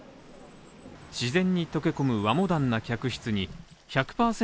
自然に溶け込む和モダンな客室に１００％